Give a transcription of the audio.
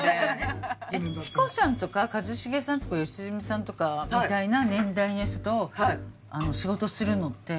ヒコちゃんとか一茂さんとか良純さんとかみたいな年代の人と仕事するのって。